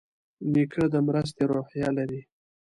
نیکه د مرستې روحیه لري.